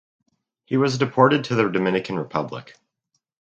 He was deported to the Dominican Republic.